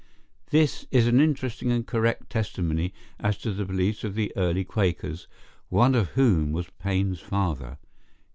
[This is an interesting and correct testimony as to the beliefs of the earlier Quakers, one of whom was Paine's father.